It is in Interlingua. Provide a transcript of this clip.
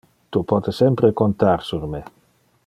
Tu pote sempre contar sur me.